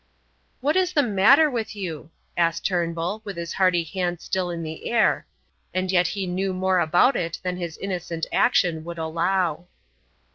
"What is the matter with you?" asked Turnbull, with his hearty hand still in the air; and yet he knew more about it than his innocent action would allow.